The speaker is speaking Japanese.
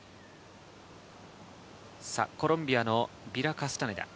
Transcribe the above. コロンビアのビラ・カスタネダ。